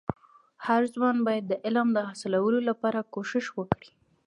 هرځوان باید د علم د حاصلولو لپاره کوښښ وکړي.